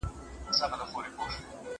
د سیند د خوندیتوب لپاره پروژې پیل سوي دي.